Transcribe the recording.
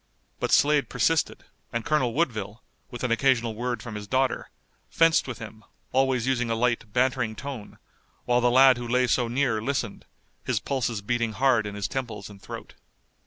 But Slade persisted, and Colonel Woodville, with an occasional word from his daughter, fenced with him, always using a light bantering tone, while the lad who lay so near listened, his pulses beating hard in his temples and throat.